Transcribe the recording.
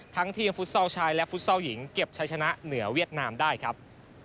ทั้งทีมฟุตซอลชายและฟุตซอลหญิงเก็บใช้ชนะเหนือเวียดนามได้ครับ